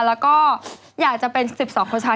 แล้วก็อยากจะเป็น๑๒คนชาย